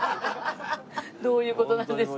どういう事なんですか？